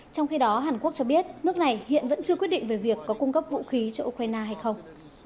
trong khi đó hàn quốc cho biết nước này hiện vẫn chưa quyết định về việc có cung cấp vũ khí cho ukraine hay không